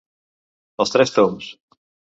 Els tres tombs.